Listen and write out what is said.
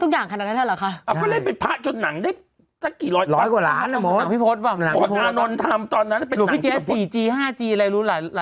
โตโย่เขาต่อแล้วเขาเคยบวชโหลงพี่แจ๊สไปแล้วบวชโหลงพี่แจ๊สนะฮะ